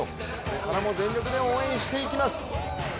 これからも全力で応援していきます。